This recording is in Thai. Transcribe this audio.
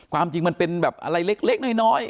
ความจริงมันเป็นแบบอะไรเล็กน้อย